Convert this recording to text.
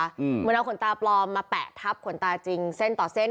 เหมือนเอาขนตาปลอมมาแปะทับขนตาจริงเส้นต่อเส้น